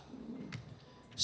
mungkin akan terang dan jelas